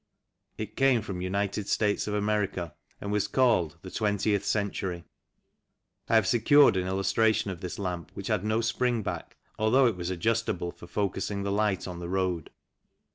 It came from United States of America, and was called " The 20th Century." I have secured an illustration of this lamp, which had no spring back, although it was adjustable for focusing the light on the road.